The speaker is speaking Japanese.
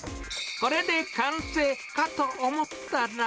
これで完成かと思ったら。